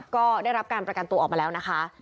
ก็ได้รับการประกันตัวออกมาแล้วนะคะ